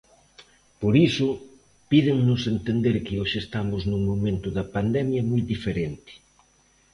Por iso, pídennos entender que hoxe estamos nun momento da pandemia moi diferente.